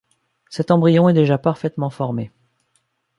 Cet embryon est déjà parfaitement formé.